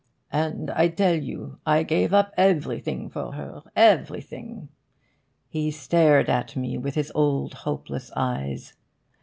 '"And I tell you I gave up everything for her everything." He stared at me with his old hopeless eyes.